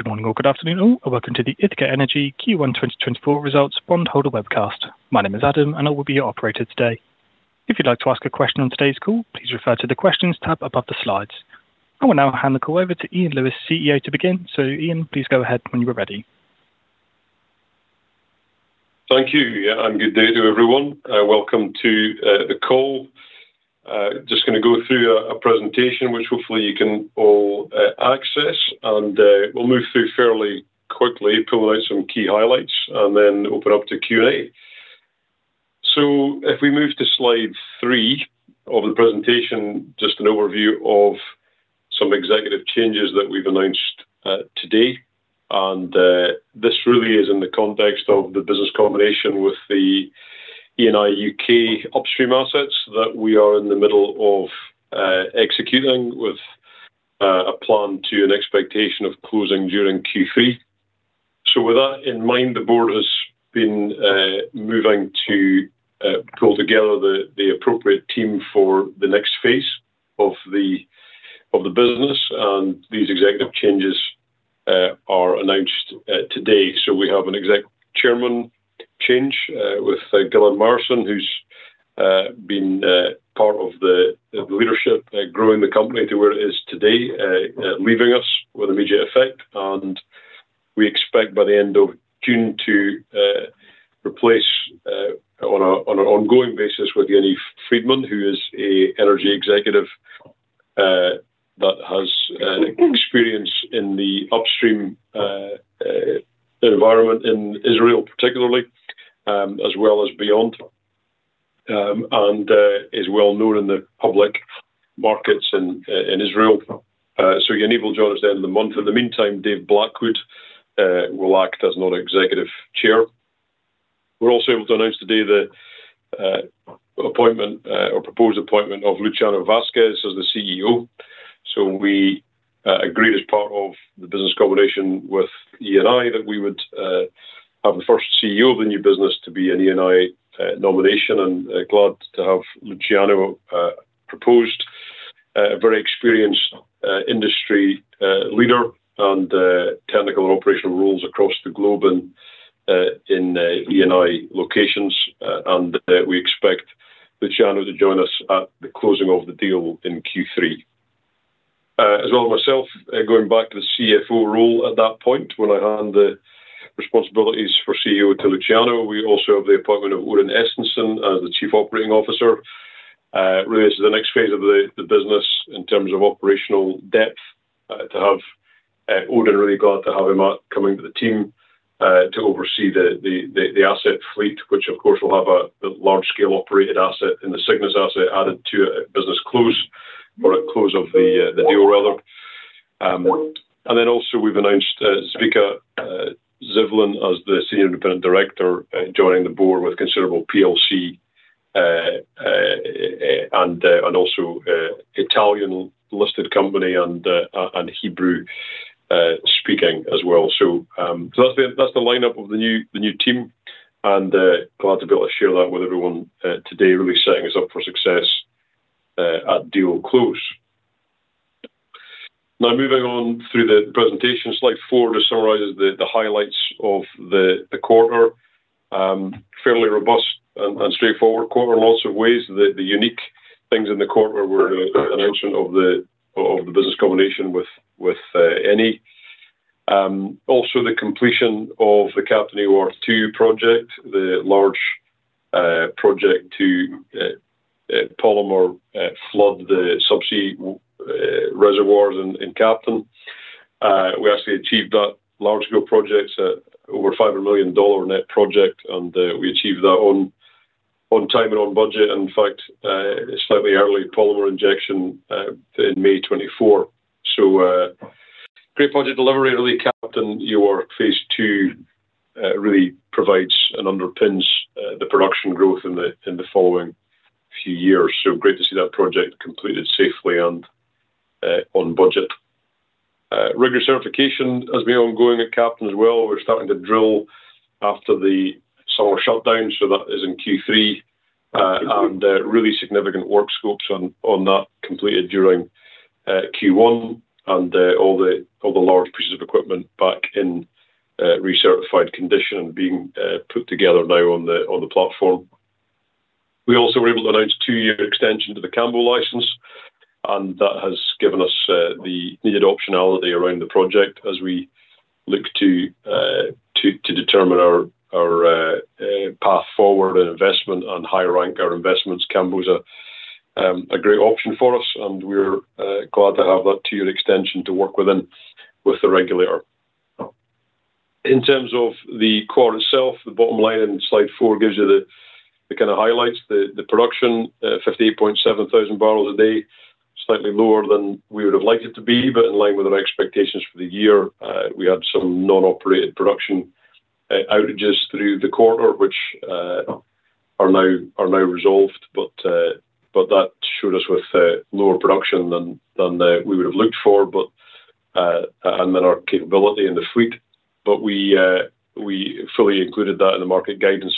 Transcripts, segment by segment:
Good morning or good afternoon, all, and welcome to the Ithaca Energy Q1 2024 Results Bondholder Webcast. My name is Adam, and I will be your operator today. If you'd like to ask a question on today's call, please refer to the questions tab above the slides. I will now hand the call over to Iain Lewis, CEO, to begin. So Iain, please go ahead when you are ready. Thank you, yeah, and good day to everyone. Welcome to the call. Just gonna go through a presentation, which hopefully you can all access, and we'll move through fairly quickly, pull out some key highlights, and then open up to Q&A. So if we move to slide three of the presentation, just an overview of some executive changes that we've announced today, and this really is in the context of the business combination with the Eni UK upstream assets that we are in the middle of executing with a plan to an expectation of closing during Q3. So with that in mind, the board has been moving to pull together the appropriate team for the next phase of the business, and these executive changes are announced today. So we have an exec chairman change with Gilad Myerson, who's been part of the leadership growing the company to where it is today, leaving us with immediate effect. And we expect by the end of June to replace on an ongoing basis with Yaniv Friedman, who is a energy executive that has experience in the upstream environment in Israel, particularly, and as well as beyond, and is well known in the public markets in Israel. So Yaniv will join us at the end of the month. In the meantime, Dave Blackwood will act as non-executive chair. We're also able to announce today the appointment or proposed appointment of Luciano Vasques as the CEO. So we agreed as part of the business combination with Eni that we would have the first CEO of the new business to be an Eni nomination, and glad to have Luciano proposed. A very experienced industry leader and technical and operational roles across the globe and in Eni locations. And we expect Luciano to join us at the closing of the deal in Q3. As well as myself going back to the CFO role at that point, when I hand the responsibilities for CEO to Luciano, we also have the appointment of Odin Estensen as the Chief Operating Officer. Really, this is the next phase of the business in terms of operational depth, to have Odin, and really glad to have him coming to the team, to oversee the asset fleet, which of course will have the large-scale operated asset and the Cygnus asset added to it at business close or at close of the deal rather. And then also we've announced Zvika Zivlin as the senior independent director joining the board with considerable PLC and also Italian-listed company and Hebrew speaking as well. So, that's the lineup of the new team, and glad to be able to share that with everyone today, really setting us up for success at deal close. Now, moving on through the presentation, slide 4 just summarizes the highlights of the quarter. Fairly robust and straightforward quarter in lots of ways. The unique things in the quarter were the announcement of the business combination with Eni. Also the completion of the Captain EOR Phase II project, the large project to polymer flood the subsea reservoirs in Captain. We actually achieved that large-scale project at over $500 million net project, and we achieved that on time and on budget. In fact, slightly early polymer injection in May 2024. So great project delivery, really. Captain EOR Phase II really provides and underpins the production growth in the following few years. So great to see that project completed safely and on budget. Rig recertification has been ongoing at Captain as well. We're starting to drill after the summer shutdown, so that is in Q3, and really significant work scopes on that completed during Q1, and all the large pieces of equipment back in recertified condition and being put together now on the platform. We also were able to announce a two-year extension to the Cambo license, and that has given us the needed optionality around the project as we look to to determine our path forward and investment and high rank our investments. Cambo is a great option for us, and we're glad to have that two-year extension to work within with the regulator. In terms of the quarter itself, the bottom line in slide 4 gives you the kind of highlights, the production, 58.7 thousand barrels a day, slightly lower than we would have liked it to be, but in line with our expectations for the year. We had some non-operated production outages through the quarter, which are now resolved, but that showed us with lower production than we would have looked for, and then our capability in the fleet. But we fully included that in the market guidance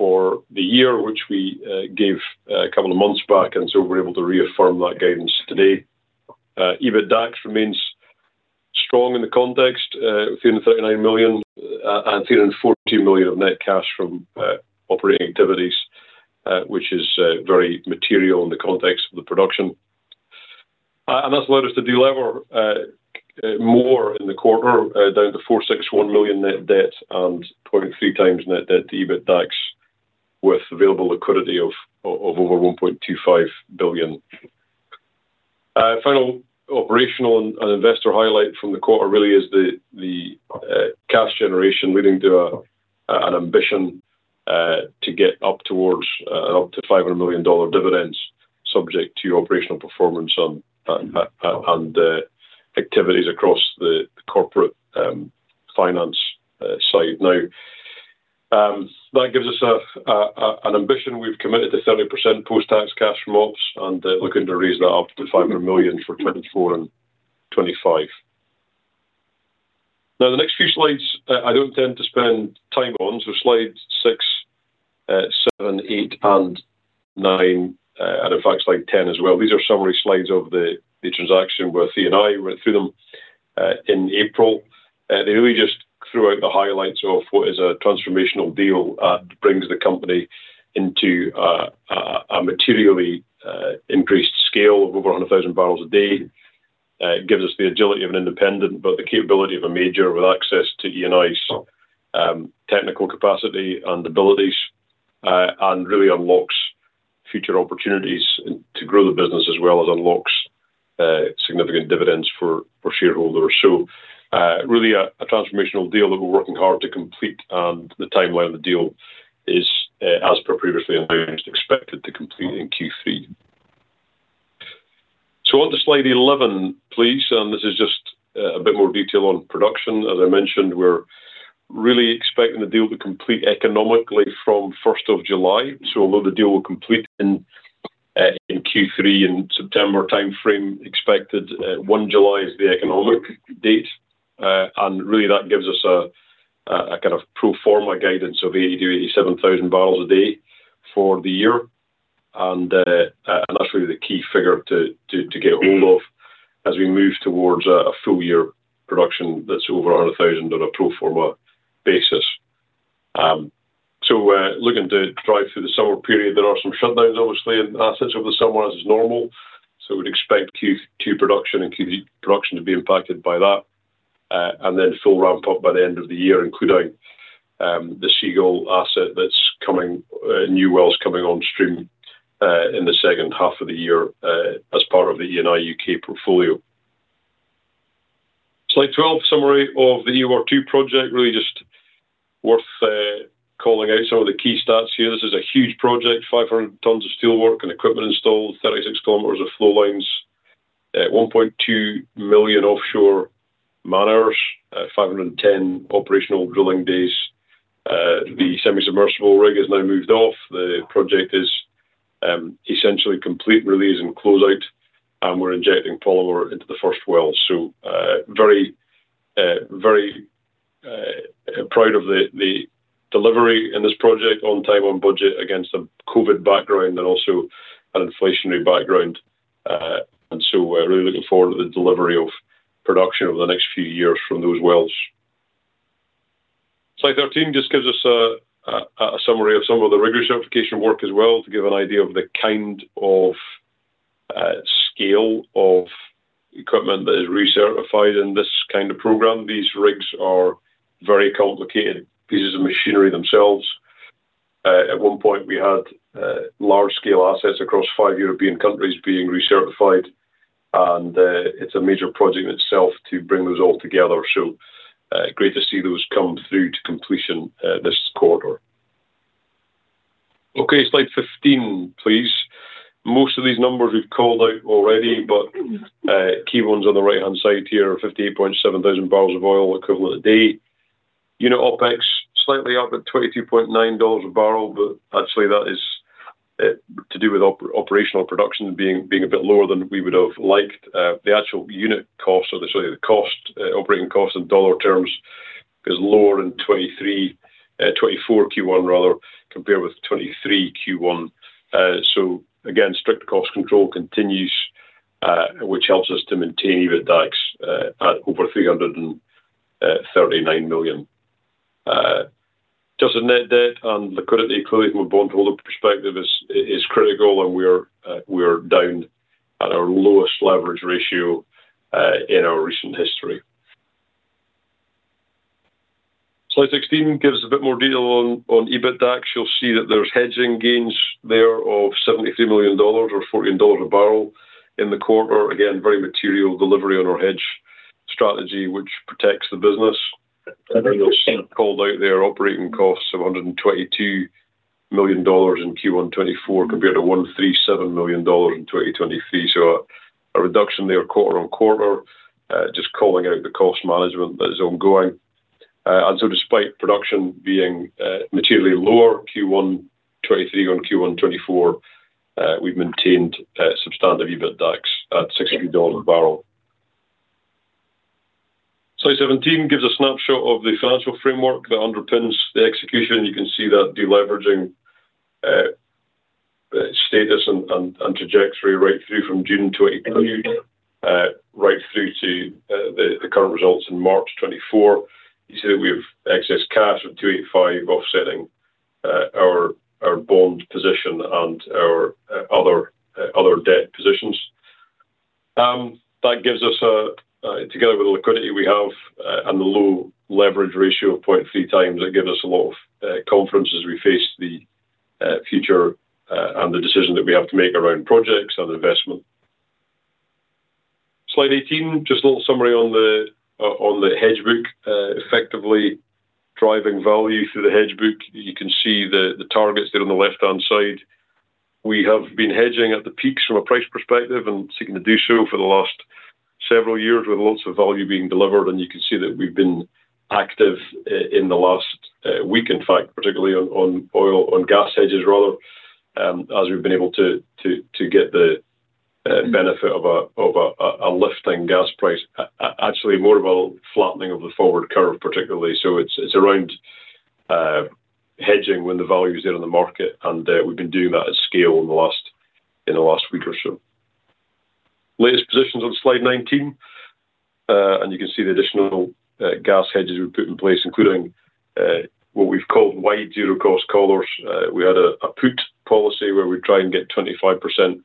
for the year, which we gave a couple of months back, and so we're able to reaffirm that guidance today. EBITDAX remains strong in the context, $339 million, and $314 million of net cash from operating activities, which is very material in the context of the production. And that's allowed us to delever more in the quarter, down to $461 million net debt and 0.3x net debt to EBITDAX, with available liquidity of over $1.25 billion. Final operational and investor highlight from the quarter really is the cash generation, leading to an ambition to get up towards up to $500 million dividends subject to operational performance on and activities across the corporate finance side. Now, that gives us an ambition. We've committed to 30% post-tax cash from ops and looking to raise that up to $500 million for 2024 and 2025. Now, the next few slides I don't intend to spend time on, so slides 6, 7, 8, and 9, and in fact, slide 10 as well. These are summary slides of the transaction with Eni. We went through them in April. They really just threw out the highlights of what is a transformational deal, brings the company into a materially increased scale of over 100,000 barrels a day. It gives us the agility of an independent, but the capability of a major with access to Eni's technical capacity and abilities, and really unlocks future opportunities and to grow the business as well as unlocks significant dividends for shareholders. So, really a transformational deal that we're working hard to complete, and the timeline of the deal is, as per previously announced, expected to complete in Q3. So on to slide 11, please, and this is just a bit more detail on production. As I mentioned, we're really expecting the deal to complete economically from first of July. So although the deal will complete in Q3 and September timeframe, expected, 1 July is the economic date. And really that gives us a kind of pro forma guidance of 80,000-87,000 barrels a day for the year. And that's really the key figure to get hold of as we move towards a full year production that's over 100,000 on a pro forma basis. So, looking to drive through the summer period, there are some shutdowns, obviously, and assets over the summer, as is normal. So we'd expect Q2 production and Q3 production to be impacted by that, and then full ramp up by the end of the year, including the Seagull asset that's coming, new wells coming on stream, in the second half of the year, as part of the Eni UK portfolio. Slide 12, summary of the EOR-2 project, really just worth calling out some of the key stats here. This is a huge project, 500 tons of steel work and equipment installed, 36 kilometers of flow lines, 1.2 million offshore man hours, 510 operational drilling days. The semi-submersible rig has now moved off. The project is essentially complete, really is in close out, and we're injecting polymer into the first well. So, very, very proud of the delivery in this project on time, on budget, against a COVID background and also an inflationary background. So we're really looking forward to the delivery of production over the next few years from those wells. Slide 13 just gives us a summary of some of the rig recertification work as well, to give an idea of the kind of scale of equipment that is recertified in this kind of program. These rigs are very complicated pieces of machinery themselves. At one point, we had large-scale assets across five European countries being recertified, and it's a major project in itself to bring those all together. So, great to see those come through to completion, this quarter. Okay, slide 15, please. Most of these numbers we've called out already, but, key ones on the right-hand side here, 58.7 thousand barrels of oil equivalent a day. Unit OpEx, slightly up at $22.9 a barrel, but actually, that is, to do with operational production being a bit lower than we would have liked. The actual unit cost, so literally the cost, operating costs in dollar terms, is lower in 2023, 2024 Q1 rather, compared with 2023 Q1. So again, strict cost control continues, which helps us to maintain EBITDAX at over $339 million. Just a net debt and liquidity, clearly from a bondholder perspective, is critical, and we're down at our lowest leverage ratio in our recent history. Slide 16 gives a bit more detail on EBITDAX. You'll see that there's hedging gains there of $73 million or $14 a barrel in the quarter. Again, very material delivery on our hedge strategy, which protects the business. I think it's called out there, operating costs of $122 million in Q1 2024, compared to $137 million in 2023. So a reduction there quarter-over-quarter, just calling out the cost management that is ongoing. And so despite production being materially lower, Q1 2023 on Q1 2024, we've maintained substantive EBITDAX at $62 a barrel. Slide 17 gives a snapshot of the financial framework that underpins the execution. You can see that de-leveraging status and trajectory right through from June 2020 right through to the current results in March 2024. You see that we have excess cash of $285 offsetting our bond position and our other debt positions. That gives us, together with the liquidity we have and the low leverage ratio of 0.3x, that gives us a lot of confidence as we face the future and the decision that we have to make around projects and investment. Slide 18, just a little summary on the hedge book. Effectively driving value through the hedge book. You can see the targets there on the left-hand side. We have been hedging at the peaks from a price perspective and seeking to do so for the last several years, with lots of value being delivered, and you can see that we've been active in the last week, in fact, particularly on oil. On gas hedges, rather, as we've been able to get the benefit of a lifting gas price. Actually, more of a flattening of the forward curve, particularly. So it's around hedging when the value is there in the market, and we've been doing that at scale in the last week or so. Latest positions on slide 19. And you can see the additional gas hedges we've put in place, including what we've called wide zero cost collars. We had a put policy where we try and get 25%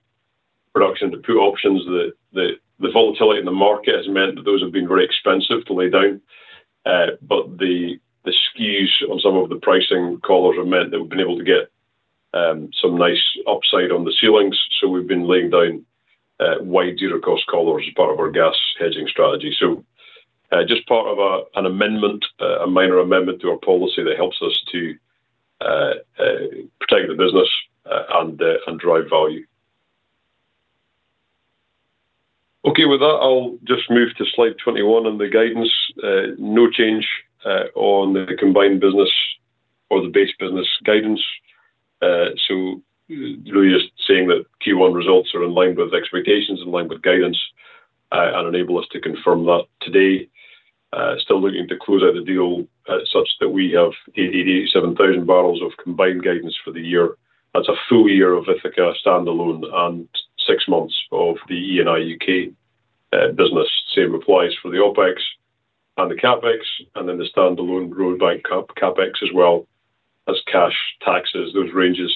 production to put options. The volatility in the market has meant that those have been very expensive to lay down, but the skews on some of the pricing collars have meant that we've been able to get some nice upside on the ceilings. So we've been laying down wide zero cost collars as part of our gas hedging strategy. So just part of an amendment, a minor amendment to our policy that helps us to protect the business and drive value. Okay, with that, I'll just move to slide 21 and the guidance. No change on the combined business or the base business guidance. So really just saying that Q1 results are in line with expectations, in line with guidance, and enable us to confirm that today. Still looking to close out the deal, such that we have 87,000 barrels of combined guidance for the year. That's a full year of Ithaca standalone and six months of the Eni UK business. Same applies for the OpEx and the CapEx, and then the standalone Rosebank CapEx, as well as cash taxes. Those ranges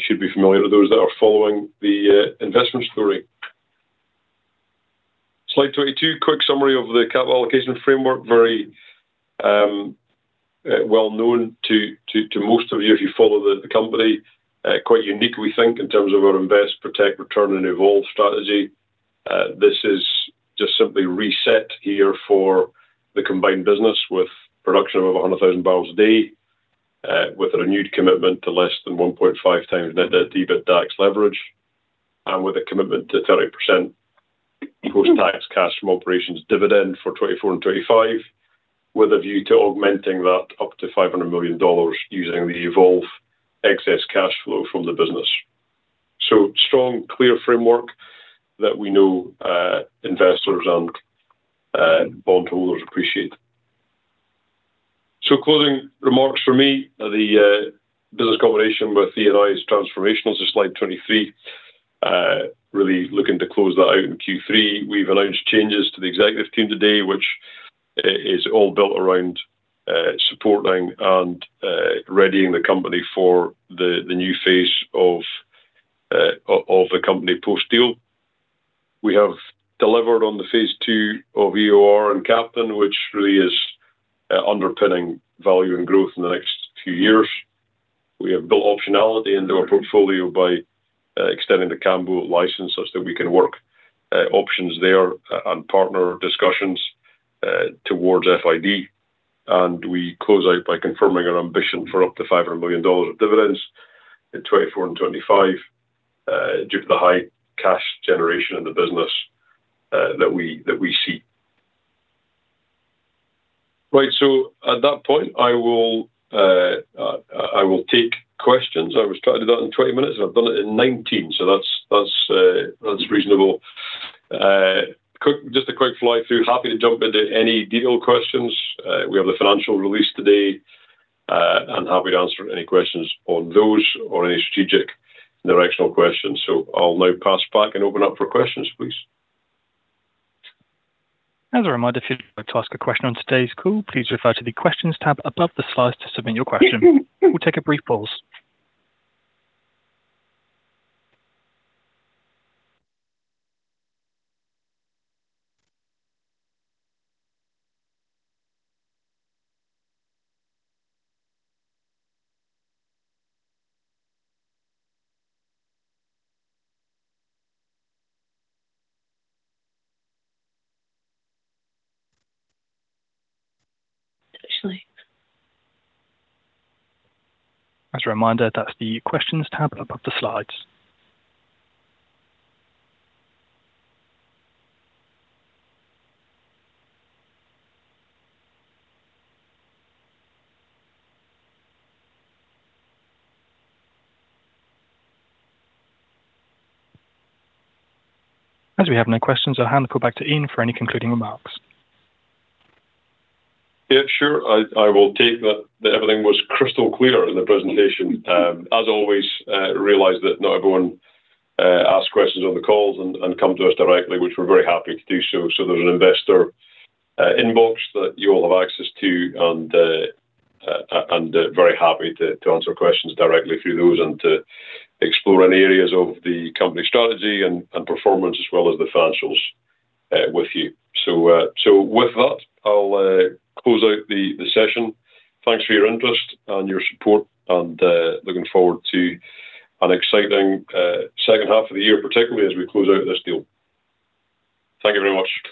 should be familiar to those that are following the investment story. Slide 22, quick summary of the capital allocation framework. Very well known to most of you, if you follow the company. Quite unique, we think, in terms of our invest, protect, return, and evolve strategy. This is just simply reset here for the combined business with production of over 100,000 barrels a day, with a renewed commitment to less than 1.5 times net debt, EBITDA, leverage, and with a commitment to 30% post-tax cash from operations dividend for 2024 and 2025, with a view to augmenting that up to $500 million using the evolve excess cash flow from the business. So strong, clear framework that we know investors and bondholders appreciate. So closing remarks from me. The business combination with Eni is transformational is slide 23. Really looking to close that out in Q3. We've announced changes to the executive team today, which is all built around supporting and readying the company for the new phase of the company post-deal. We have delivered on the Phase II of EOR and Captain, which really is, underpinning value and growth in the next few years. We have built optionality into our portfolio by, extending the Cambo license such that we can work, options there, and partner discussions, towards FID. And we close out by confirming our ambition for up to $500 million of dividends in 2024 and 2025, due to the high cash generation in the business, that we, that we see. Right, so at that point, I will, I will take questions. I was trying to do that in 20 minutes, and I've done it in 19, so that's, that's, that's reasonable. Quick, just a quick fly-through. Happy to jump into any detail questions. We have the financial release today, and happy to answer any questions on those or any strategic directional questions. I'll now pass back and open up for questions, please. As a reminder, if you'd like to ask a question on today's call, please refer to the Questions tab above the slides to submit your question. We'll take a brief pause. Actually, as a reminder, that's the Questions tab above the slides. As we have no questions, I'll hand it back to Iain for any concluding remarks. Yeah, sure. I will take that everything was crystal clear in the presentation. As always, realize that not everyone asks questions on the calls and come to us directly, which we're very happy to do so. So there's an investor inbox that you all have access to, and very happy to answer questions directly through those and to explore any areas of the company strategy and performance, as well as the financials with you. So with that, I'll close out the session. Thanks for your interest and your support, and looking forward to an exciting second half of the year, particularly as we close out this deal. Thank you very much.